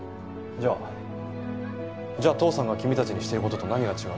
じゃあじゃあ父さんが君たちにしてる事と何が違うんだよ。